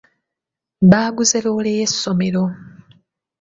Baaguze loole y'essomero.